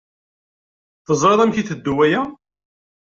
Teẓṛiḍ amek i iteddu waya?